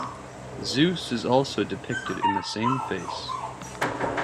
Zeus is also depicted in the same face.